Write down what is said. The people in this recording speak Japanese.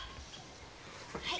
はい。